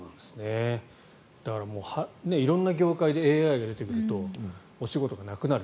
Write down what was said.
だからもう色んな業界でＡＩが出てくるとお仕事がなくなる。